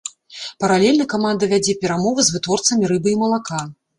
Паралельна каманда вядзе перамовы з вытворцамі рыбы і малака.